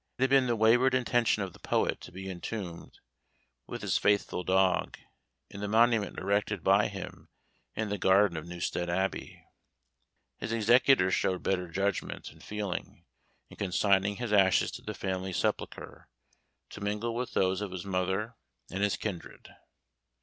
It had been the wayward intention of the poet to be entombed, with his faithful dog, in the monument erected by him in the garden of Newstead Abbey. His executors showed better judgment and feeling, in consigning his ashes to the family sepulchre, to mingle with those of his mother and his kindred.